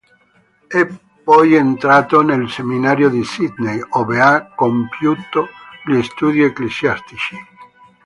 È poi entrato nel seminario di Sydney ove ha compiuto gli studi ecclesiastici.